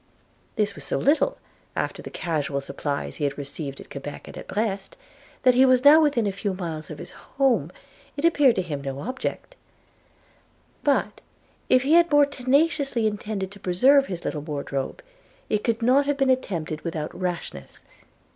This was so little, after the casual supplies he had received at Quebec and at Brest, that, as he was now within a few miles of his home, it appeared to him no object. But if he had more tenaciously intended to preserve his little wardrobe, it could not have been attempted without rashness.